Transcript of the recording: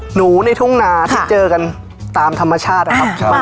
ในทุ่งนาที่เจอกันตามธรรมชาตินะครับ